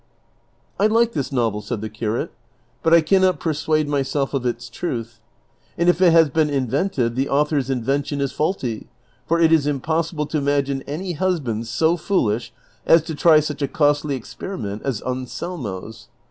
" I like this novel," said the curate ;" but I can not persuade myself of its truth ; and if it has been invented, the author's invention is faulty, for it is impossible to imagine any husband so foolish as to try such a costly experiment as Anselmo's.